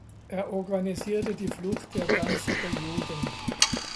Er organisierte die Flucht der Danziger Juden.